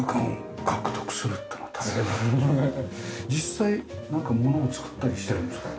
実際なんか物を作ったりしてるんですか？